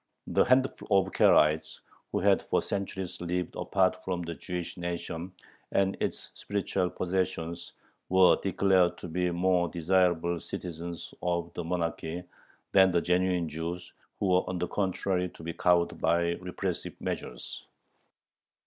The handful of Karaites, who had for centuries lived apart from the Jewish nation and its spiritual possessions, were declared to be more desirable citizens of the monarchy than the genuine Jews, who were on the contrary to be cowed by repressive measures.